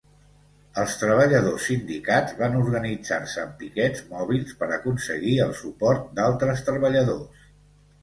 Els treballadors sindicats van organitzar-se en piquets mòbils per aconseguir el suport d'altres treballadors.